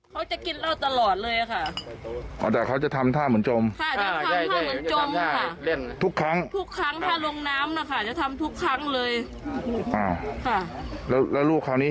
เห็นตอนตอนที่ทำเหรอคะอืมไอ้น้องมัสเห็นบ้างกว่าเพราะว่า